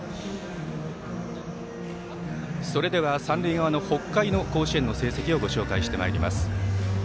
それでは、三塁側の北海の甲子園の成績をご紹介してまいります。